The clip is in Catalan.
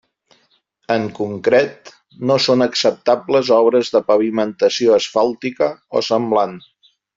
En concret, no són acceptables obres de pavimentació asfàltica o semblant.